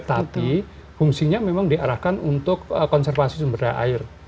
tapi fungsinya memang diarahkan untuk konservasi sumber daya air